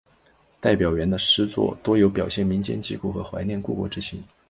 戴表元的诗作多有表现民间疾苦和怀念故国之情。